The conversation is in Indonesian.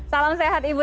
salam sehat ibu